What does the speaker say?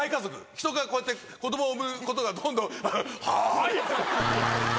人がこうやって子供を産むことがどんどん。